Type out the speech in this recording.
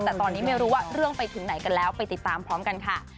แต่ตอนนี้ไม่รู้ว่าเรื่องไปถึงไหนกันแล้วไปติดตามพร้อมกันค่ะ